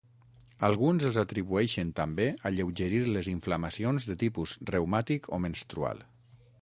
Alguns els atribueixen també alleugerir les inflamacions de tipus reumàtic o menstrual.